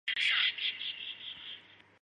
陪审团随即进入审议阶段。